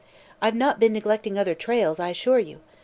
I've not been neglecting other trails, I assure you.